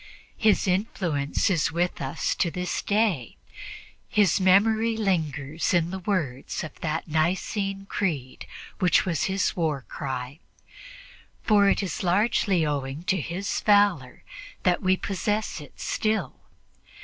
His influence is with us to this day, his memory lingers in the words of that Nicene Creed which was his war cry; for it is largely owing to his valor that we possess it still.